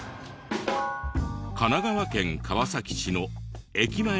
神奈川県川崎市の駅前の喫茶店。